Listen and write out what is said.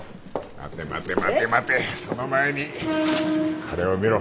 待て待て待て待てその前にこれを見ろ。